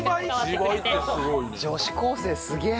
女子高生すげえ